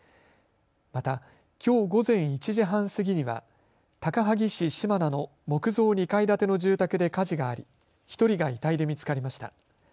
また、きょう午前１時半過ぎには高萩市島名の木造２階建ての住宅で火事があり１人が遺体で見つかりました。